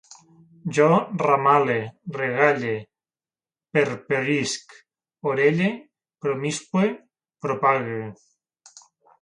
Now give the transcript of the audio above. Jo ramale, regalle, perperisc, orelle, promiscue, propague